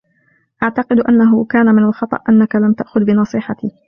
اعتقد انه كان من الخطأ أنك لم تأخذ بنصيحتي.